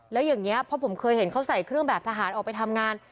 แล้วอย่างนี้เพราะผมเคยเห็นเขาใส่เครื่องแบบทหารออกไปทำงาน